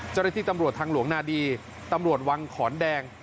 เจ้าหน้าที่ตำรวจทางหลวงนาดีตำรวจวังขอนแดง